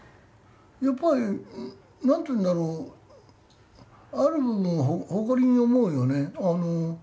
やっぱりなんていうんだろうある部分誇りに思うよね。